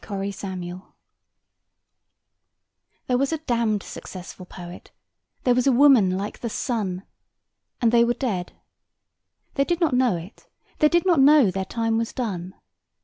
Dead Men's Love There was a damned successful Poet; There was a Woman like the Sun. And they were dead. They did not know it. They did not know their time was done.